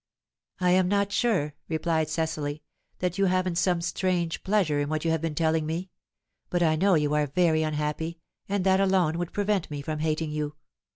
"I am not sure," replied Cecily, "that you haven't some strange pleasure in what you have been telling me; but I know you are very unhappy, and that alone would prevent me from hating you.